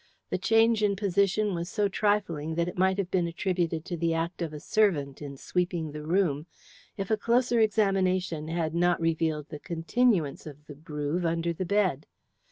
The change in position was so trifling that it might have been attributed to the act of a servant in sweeping the room if a closer examination had not revealed the continuance of the groove under the bed.